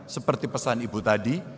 seperti pesan ibu tadi